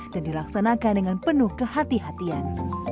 dan dilaksanakan dengan penuh kehati hatian